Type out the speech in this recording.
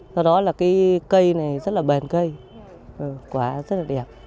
do đó là cái cây này rất là bền cây quả rất là đẹp